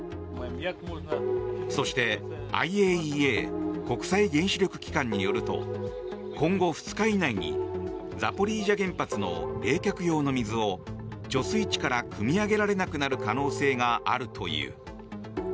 そして、ＩＡＥＡ・国際原子力機関によると今後２日以内にザポリージャ原発の冷却用の水を貯水池からくみ上げられなくなる可能性があるという。